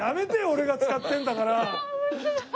俺が使ってるんだから！